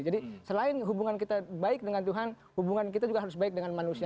jadi selain hubungan kita baik dengan tuhan hubungan kita juga harus baik dengan manusia